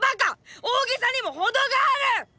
大げさにもほどがある！